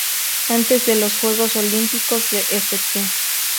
Antes de los Juegos Olímpicos de St.